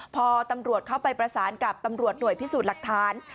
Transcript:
พอตำรวจเข้าไปประสานกับตำรวจหน่วยพิสูจน์หลักฐาน